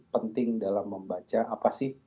penting dalam membaca apa sih